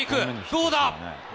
どうだ？